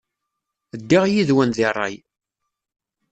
Ddiɣ yid-wen deg ṛṛay.